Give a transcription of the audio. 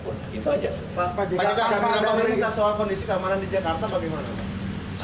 banyaknya angka angka berita soal kondisi keamanan di jakarta pak wiranto